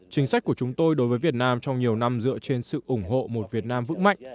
chính sách của chúng tôi đối với việt nam trong nhiều năm dựa trên sự ủng hộ một việt nam vững mạnh